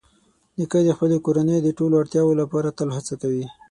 نیکه د خپلې کورنۍ د ټولو اړتیاوو لپاره تل هڅه کوي.